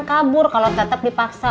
kabur kalo tetep dipaksa